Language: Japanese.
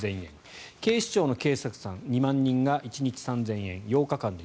警視庁の警察官２万人が１日３０００円４億８０００万円。